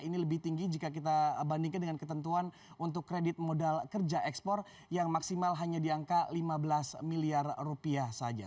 ini lebih tinggi jika kita bandingkan dengan ketentuan untuk kredit modal kerja ekspor yang maksimal hanya di angka lima belas miliar rupiah saja